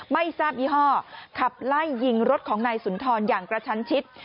ไม่ทราบยี่ห้อขับไล่ยิงรถของนายสุนทรอย่างกระชั้นชิด